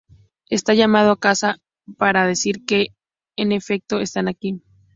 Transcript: Está "llamando a casa" para decir que, en efecto, "¡Están aquí!".